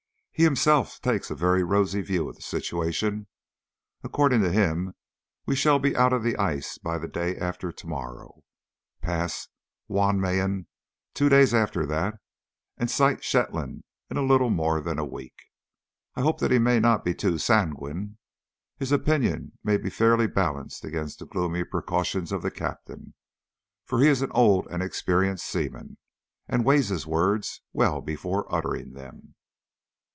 He himself takes a very rosy view of the situation. According to him we shall be out of the ice by the day after to morrow, pass Jan Meyen two days after that, and sight Shetland in little more than a week. I hope he may not be too sanguine. His opinion may be fairly balanced against the gloomy precautions of the Captain, for he is an old and experienced seaman, and weighs his words well before uttering them.